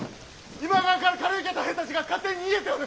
今川から借り受けた兵たちが勝手に逃げておる！